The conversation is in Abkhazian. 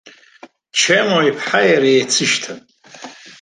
Чемо иԥҳаи иареи еицышьҭан!